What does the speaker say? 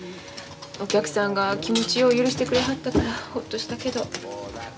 お客さんが気持ちよう許してくれはったからほっとしたけど。